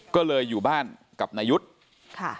ก็เลยอยู่บ้านกับนายุทธ์ค่ะ